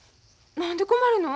何で困るの？